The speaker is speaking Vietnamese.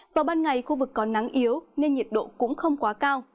do ban ngày khu vực có nắng yếu nên nhiệt độ cũng không quá cao